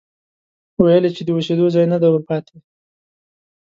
ويل يې چې د اوسېدو ځای نه دی ورپاتې،